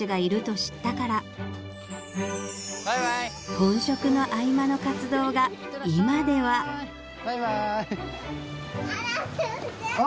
本職の合間の活動が今ではあ！